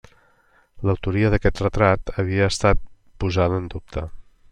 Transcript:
L'autoria d'aquest retrat havia estat posada en dubte.